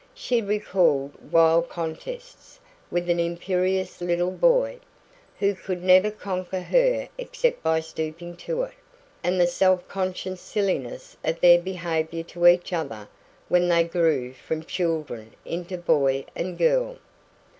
She recalled wild contests with an imperious little boy, who could never conquer her except by stooping to it; and the self conscious silliness of their behaviour to each other when they grew from children into boy and girl.